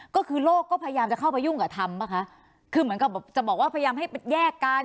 ก็คือโลกก็พยายามจะเข้าไปยุ่งกับธรรมป่ะคะคือเหมือนกับจะบอกว่าพยายามให้แยกกัน